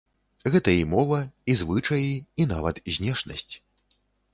Гэта і мова, і звычаі, і нават знешнасць.